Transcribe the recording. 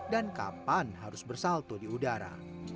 dan kapan harus bersalto di udara